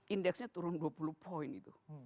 indeksnya turun dua puluh poin itu